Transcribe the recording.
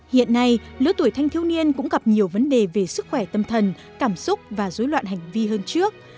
hiện nay lứa tuổi thanh thiếu niên cũng gặp nhiều vấn đề về sức khỏe tâm thần cảm xúc và dối loạn hành vi hơn trước